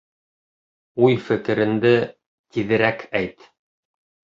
Уй-фекеренде тиҙерәк әйт!